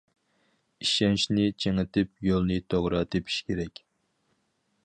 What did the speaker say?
ئىشەنچنى چىڭىتىپ، يولنى توغرا تېپىش كېرەك.